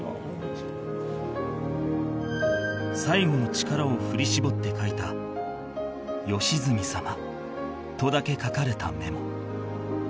最後の力を振り絞って書いた「良純さま」とだけ書かれたメモ